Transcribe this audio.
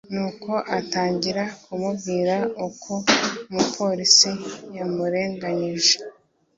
Nuko atangira kumubwira uko umuporisi yamurenganije